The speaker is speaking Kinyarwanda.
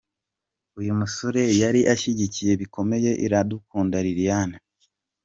Uyu musore yari ashyigikiye bikomeye Iradukunda Liliane.